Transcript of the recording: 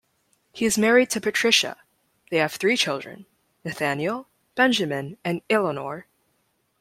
He is married to Patricia; they have three children: Nathaniel, Benjamin, and Eleanor.